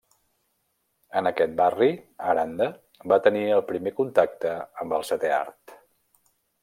En aquest barri Aranda va tenir el primer contacte amb el setè art.